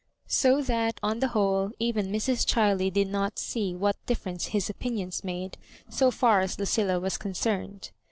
So that, on the whole, even Mrs. Chiley did not see what differ ence his opinions made, so far as Lucilla was concerned.